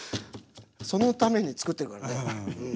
そのために作ってるからね。